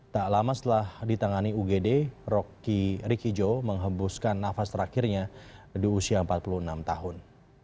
tak lama setelah ditangani ugd rikijo menghembuskan nafas terakhirnya di usia empat puluh enam tahun